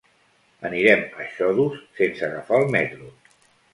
Anirem a Xodos sense agafar el metro.